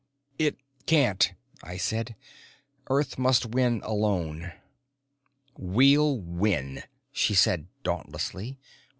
"It can't," I said. "Earth must win alone." "We'll win," she said dauntlessly.